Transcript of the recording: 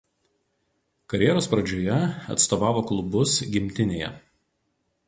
Karjeros pradžioje atstovavo klubus gimtinėje.